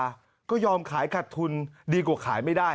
คุณผู้ชมขายฮัดทุนดีกว่าขายไม่ได้